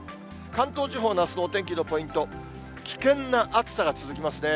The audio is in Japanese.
関東地方のあすのお天気のポイント、危険な暑さが続きますね。